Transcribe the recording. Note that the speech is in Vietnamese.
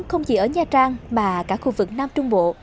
không chỉ ở nha trang mà cả khu vực nam trung bộ